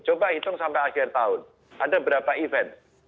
coba hitung sampai akhir tahun ada berapa event